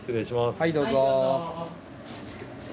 はいどうぞ。